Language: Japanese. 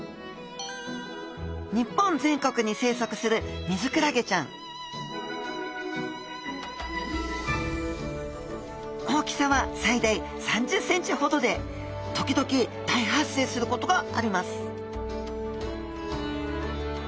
日本全国に生息するミズクラゲちゃん大きさは最大３０ｃｍほどで時々大発生することがあります